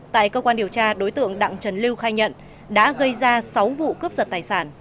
tại cơ quan điều tra đối tượng đặng trần lưu khai nhận đã gây ra sáu vụ cướp giật tài sản